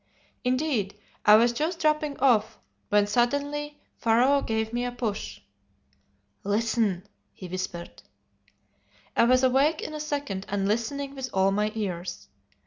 Indeed I was just dropping off, when suddenly Pharaoh gave me a push. "'Listen!' he whispered. "I was awake in a second, and listening with all my ears.